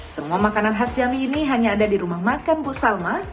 semua makanan khas jambi ini hanya ada di rumah makan bu salma